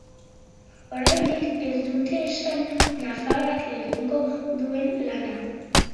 Oraindik ez dute esan nafarrak egingo duen lana.